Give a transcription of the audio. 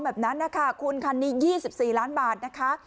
มีคืนคันนี้๒๔ล้านบาทนะคะ